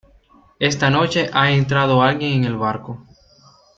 esta noche ha entrado alguien en el barco.